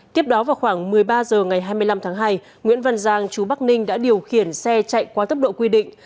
tiếp đó vào khoảng một mươi ba h ngày hai mươi năm tháng hai nguyễn văn giang chú bắc ninh đã điều khiển xe chạy quá tốc độ quy định